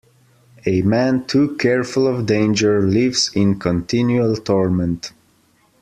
A man too careful of danger lives in continual torment.